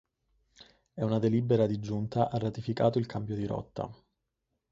E una delibera di giunta ha ratificato il cambio di rotta.